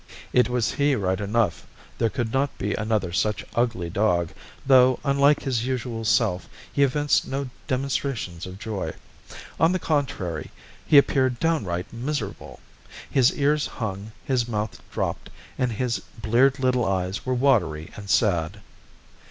It was he right enough, there could not be another such ugly dog, though, unlike his usual self, he evinced no demonstrations of joy. On the contrary, he appeared downright miserable. His ears hung, his mouth dropped, and his bleared little eyes were watery and sad.